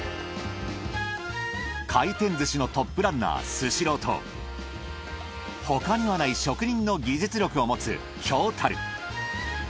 回転寿司のトップランナースシローと他にはない職人の技術力を持つ京樽。